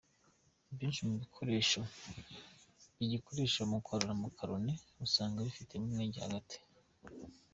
Ibyinshi mu bikoresho bikoreshwa mu kwarura macaroni usanga bifitemo umwenge hagati.